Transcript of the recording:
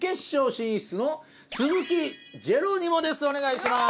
お願いします。